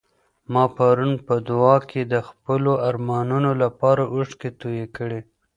ما پرون په دعا کي د خپلو ارمانونو لپاره اوښکې تویې کړې.